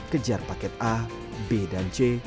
kejar paket a b dan c